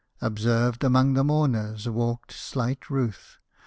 Observed among the mourners walked slight Ruth.